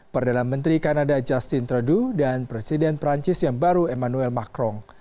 perdana menteri kanada justin trudeau dan presiden perancis yang baru emmanuel macron